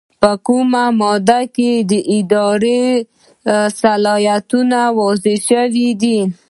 په کومه ماده کې اداري اصلاحات واضح شوي دي؟